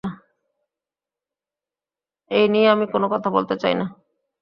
এই নিয়ে আমি কোনো কথা বলতে চাই না।